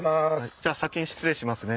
じゃあ先に失礼しますね。